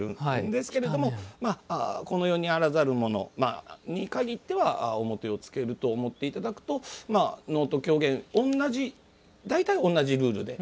ですけれどもこの世にあらざるものに限っては面をつけると思っていただくと能と狂言、大体同じルールで。